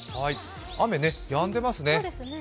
雨やんでますね。